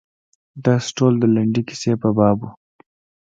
درس ټول د لنډې کیسې په باب و.